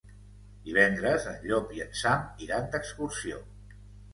Divendres en Llop i en Sam iran d'excursió.